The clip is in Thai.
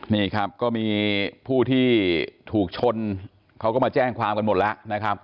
นี่ครับก็มีผู้ที่ถูกชนเขาก็มาแจ้งความกันหมดแล้วนะครับ